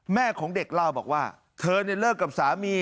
แม่ของเด็กเล่าบอกว่าเธอเลิกกับสามี